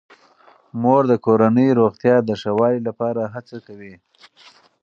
مور د کورنۍ روغتیا د ښه والي لپاره هڅه کوي.